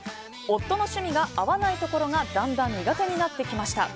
夫の趣味が合わないところがだんだん苦手になってきました。